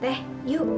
terima kasih ibu